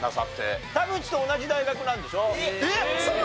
田渕と同じ大学なんでしょ？